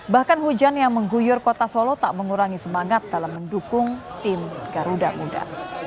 bahkan hujan yang mengguyur kota solo tak mengurangi semangat dalam mendukung tim garuda muda